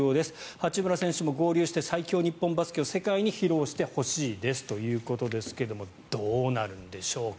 八村選手も合流して最強日本バスケを世界に披露してほしいですということですがどうなるんでしょうか。